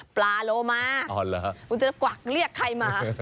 ปลาโลมาคุณจะกวักเรียกใครมา